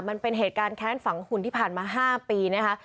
มันเป็นเหตุการณ์แค้นฝังหุ่นที่ผ่านมา๕ปีนะคะ